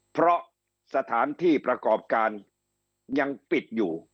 เพราะสถานที่ประกอบการยังปิดอยู่